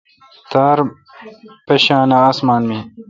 تار مشان اَاسمان می۔